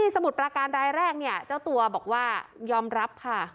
สมุดประการรายแรกเนี่ยเจ้าตัวบอกว่ายอมรับค่ะ